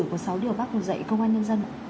của sáu điều bác hồ dạy công an nhân dân ạ